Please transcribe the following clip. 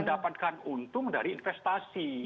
mendapatkan untung dari investasi